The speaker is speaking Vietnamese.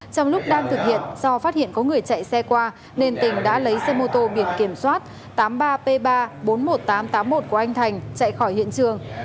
trong lúc đang thực hiện do phát hiện có người chạy xe qua nên tình đã lấy xe mô tô biển kiểm soát tám mươi ba p ba bốn mươi một nghìn tám trăm tám mươi một của anh thành chạy khỏi hiện trường